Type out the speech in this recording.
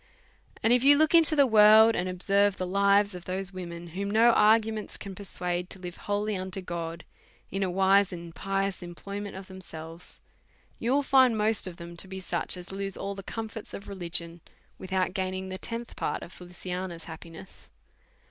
And if you look into the world, and observe the lives D£VOUT AND HOLY LIFE. 141 of those vvomen^ whom no arguments can persuade to live wholly unto God^, in a wise and pious employment of themselves^ you will find most of them to be sucli as lose all the comforts of religion^ without gaiaing the tenth part of Feliciana's happiness.